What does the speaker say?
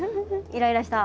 イライラした？